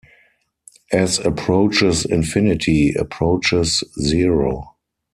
As approaches infinity, approaches zero.